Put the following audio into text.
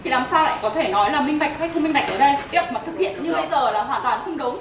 thì làm sao lại có thể nói là minh bạch hay không minh bạch ở đây việc mà thực hiện như bây giờ là hòa toán thung đấu